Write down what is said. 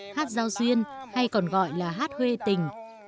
hát giao duyên hay còn gọi là hát huê tình